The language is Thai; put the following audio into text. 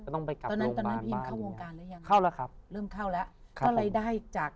ต้องไปกลับโรงพลาณ